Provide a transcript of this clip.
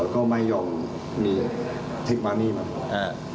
ก็ไม่ยอมมีด้วยบัญชามา